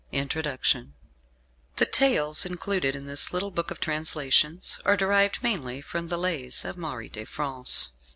1911 INTRODUCTION The tales included in this little book of translations are derived mainly from the "Lays" of Marie de France.